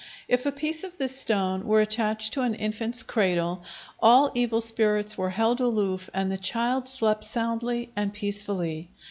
If a piece of this stone were attached to an infant's cradle, all evil spirits were held aloof and the child slept soundly and peacefully.